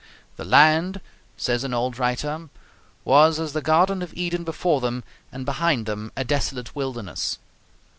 "The land," says an old writer, "was as the Garden of Eden before them, and behind them a desolate wilderness."